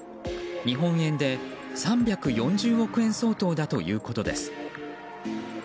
日本円で３４０億円相当だということです。